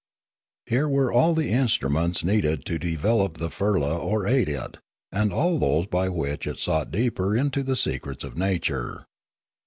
Here were all the instruments needed to develop the firla or aid it, and all those by which it sought deeper into the secrets of nature.